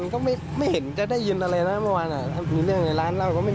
มันก็มีเด็กที่อื่นมากินด้วยแหละเราก็ไม่รู้ไหมแต่เหมือนให้มันอยากพูด